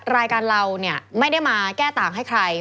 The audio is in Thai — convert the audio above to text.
รายการเราเนี่ยไม่ได้มาแก้ต่างให้ใคร